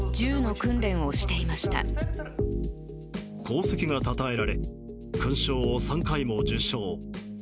功績がたたえられ勲章を３回も受章。